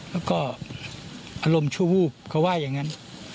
แล้วก็อารมณ์ชั่ววูบเขาว่าอย่างนั้น